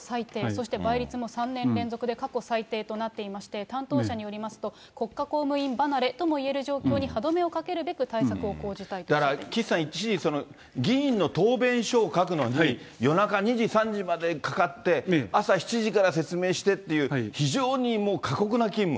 そして倍率も３年連続で過去最低となっていまして、担当者によりますと、国家公務員離れともいえる状況に歯止めをかけるべく対策を講じただから、岸さん、一時、議員の答弁書を書くのに、夜中２時３時までかかって、朝７時から説明してっていう、非常に過酷な勤務。